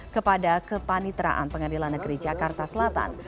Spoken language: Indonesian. kepada kepanitraan pengadilan negeri jakarta selatan